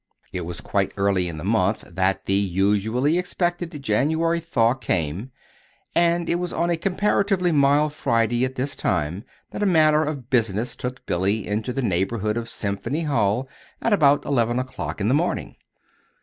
It was quite early in the month that the usually expected "January thaw" came, and it was on a comparatively mild Friday at this time that a matter of business took Billy into the neighborhood of Symphony Hall at about eleven o'clock in the morning.